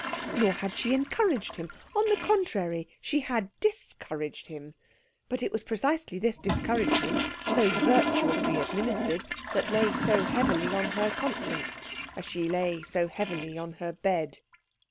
Nor had she encouraged him. On the contrary, she had discouraged him; but it was precisely this discouragement, so virtuously administered, that lay so heavily on her conscience as she lay so heavily on her bed.